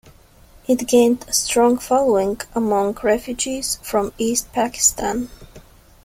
It gained a strong following amongst refugees from East Pakistan.